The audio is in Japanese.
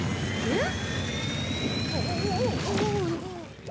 えっ？